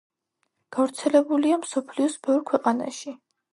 გავრცელებულია მსოფლიოს ბევრ ქვეყანაში.